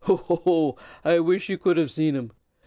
Ho! ho! I wish you could have seen him.